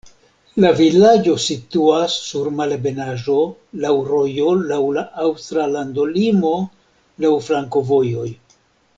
La vilaĝo situas sur malebenaĵo, laŭ rojo, laŭ la aŭstra landolimo, laŭ flankovojoj.